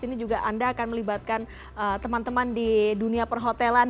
ini juga anda akan melibatkan teman teman di dunia perhotelan